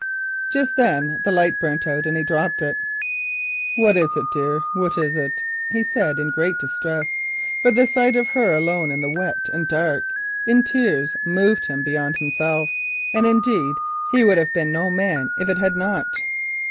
Just then the light burnt out and he dropped it. "What is it, dear, what is it?" he said in great distress, for the sight of her alone in the wet and dark, and in tears, moved him beyond himself. Indeed he would have been no man if it had not.